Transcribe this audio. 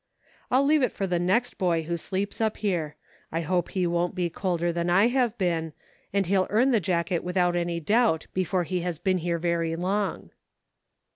" I'll leave it for the next boy who sleeps up here ; I hope he won't be colder than I have been ; and he'll earn the jacket without any doubt, before he has been here very long."